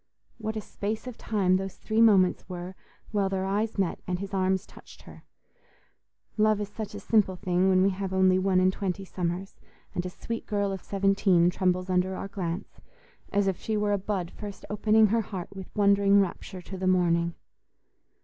What a space of time those three moments were while their eyes met and his arms touched her! Love is such a simple thing when we have only one and twenty summers and a sweet girl of seventeen trembles under our glance, as if she were a bud first opening her heart with wondering rapture to the morning.